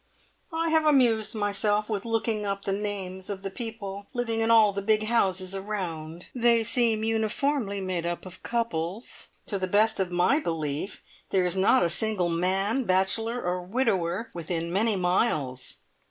"I have amused myself with looking up the names of the people living in all the big houses around: They seem uniformly made up of couples. To the best of my belief, there is not a single man, bachelor or widower, within many miles."